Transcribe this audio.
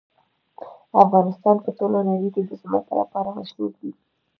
افغانستان په ټوله نړۍ کې د ځمکه لپاره مشهور دی.